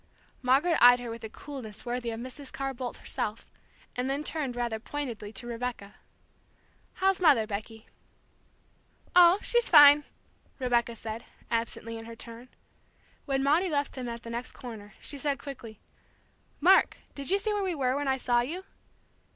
Margaret eyed her with a coolness worthy of Mrs. Carr Boldt herself, and then turned rather pointedly to Rebecca. "How's Mother, Becky?" "Oh, she's fine!" Rebecca said, absently in her turn. When Maudie left them at the next corner, she said quickly: "Mark, did you see where we were when I saw you?"